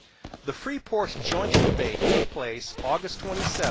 The Freeport joint debate took place August 27, 1858.